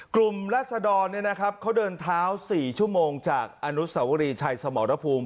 กลุ่มรัฐศดรเนี่ยนะครับเขาเดินเท้า๔ชั่วโมงจากอนุสสวรีชัยสมรภูมิ